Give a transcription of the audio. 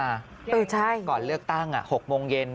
เกิดเลือกตั้ง๖โมงเย็น